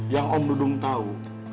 yang om dudung tahu